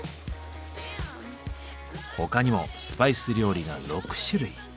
他にもスパイス料理が６種類。